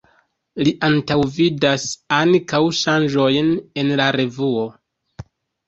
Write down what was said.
Li antaŭvidas ankaŭ ŝanĝojn en la revuo.